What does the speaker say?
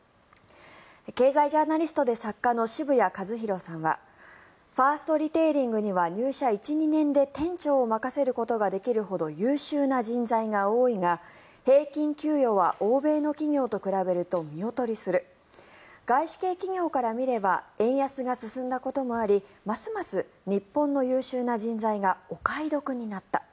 経済ジャーナリストで作家の渋谷和宏さんはファーストリテイリングには入社１２年で店長を任せることができるほど優秀な人材が多いが平均給与は欧米の企業と比べると見劣りする外資系企業から見れば円安が進んだこともありますます日本の優秀な人材がお買い得になった。